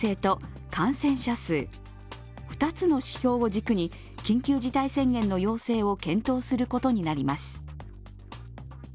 ２つの指標を軸に緊急事態宣言の要請を検討することになります。